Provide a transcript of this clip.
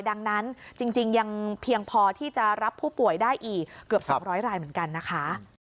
ดังนั้นจริงยังเพียงพอที่จะรับผู้ป่วยได้อีกเกือบ๒๐๐รายเหมือนกันนะคะ